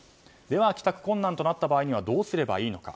では、帰宅困難となった場合にはどうすればいいのか。